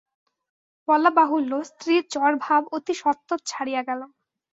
বলা বাহুল্য, স্ত্রীর জ্বরভাব অতি সত্বর ছাড়িয়া গেল।